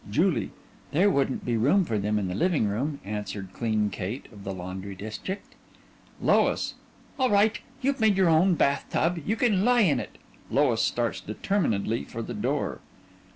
JULIE: There wouldn't be room for them in the living room, answered Clean Kate of the Laundry District. LOIS: All right. You've made your own bath tub; you can lie in it. (_LOIS starts determinedly for the door.